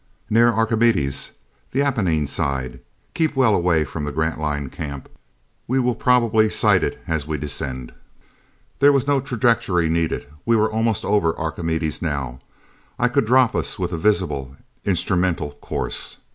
"Near Archimedes. The Apennine side. Keep well away from the Grantline camp. We will probably sight it as we descend." There was no trajectory needed. We were almost over Archimedes now. I could drop us with a visible, instrumental course.